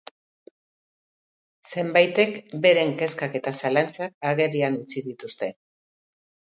Zenbaitek beren kezkak eta zalantzak agerian utzi dituzte.